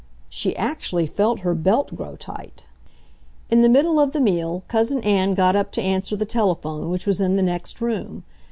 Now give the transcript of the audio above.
She actually felt her belt grow tight. In the middle of the meal Cousin Ann got up to answer the telephone, which was in the next room.